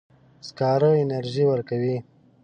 سکاره انرژي ورکوي.